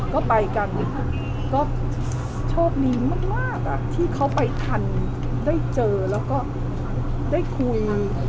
ก็ไปกันก็โชคดีมากที่เขาไปทันได้เจอแล้วก็ได้คุย